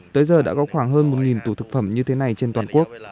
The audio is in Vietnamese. tới giờ đã có khoảng hơn một tủ thực phẩm như thế này trên toàn quốc